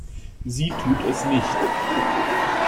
Sie tut es nicht.